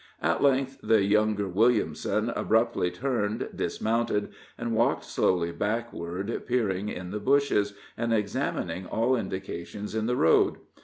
At length the younger Williamson abruptly turned, dismounted, and walked slowly backward, peering in the bushes, and examining all indications in the road.